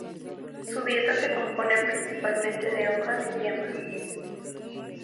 Su dieta se compone principalmente de hojas y yemas.